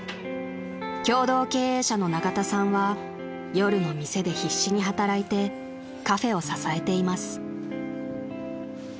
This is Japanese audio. ［共同経営者の永田さんは夜の店で必死に働いてカフェを支えています］